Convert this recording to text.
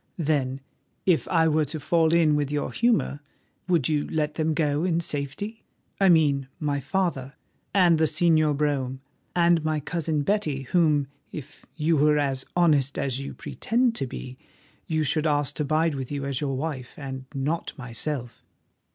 Then, if I were to fall in with your humour, would you let them go in safety?—I mean my father and the Señor Brome and my cousin Betty, whom, if you were as honest as you pretend to be, you should ask to bide with you as your wife, and not myself."